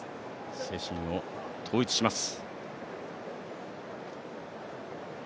精神を統一します。